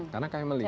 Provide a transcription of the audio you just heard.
karena kami melihat